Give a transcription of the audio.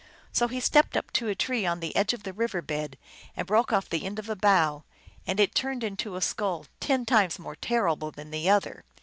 So he stepped up to a tree on the edge of the river bed and broke off the end of a bough, and it turned into a skull ten times more terrible than the other.